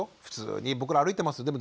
普通に僕ら歩いてます。